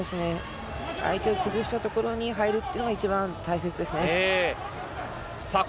相手を崩したところで入るっていうのが一番大切ですね。